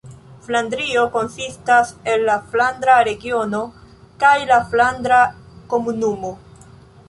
Flandrio konsistas el la Flandra Regiono kaj la Flandra Komunumo.